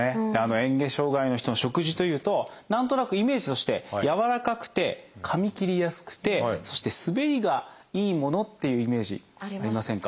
えん下障害の人の食事というと何となくイメージとしてやわらかくてかみ切りやすくてそして滑りがいいものっていうイメージありませんか？